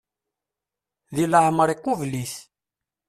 Deg leɛmer iqubel-it.